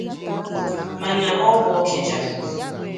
mana ọ bụ Okija